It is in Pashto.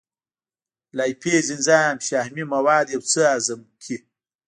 لایپیز انزایم شحمي مواد یو څه هضم کړي.